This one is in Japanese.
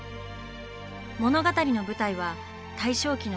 物語の舞台は大正期のロシア。